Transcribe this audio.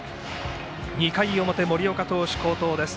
２回表、森岡投手、好投です。